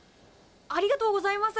ありがとうございます。